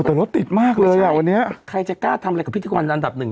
แต่รถติดมากเลยอ่ะวันนี้ใครจะกล้าทำอะไรกับพิธีกรอันดับหนึ่ง